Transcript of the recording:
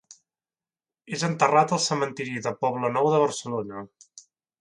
És enterrat al Cementiri de Poble Nou de Barcelona.